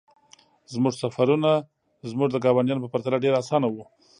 زموږ سفرونه زموږ د ګاونډیانو په پرتله ډیر اسانه وو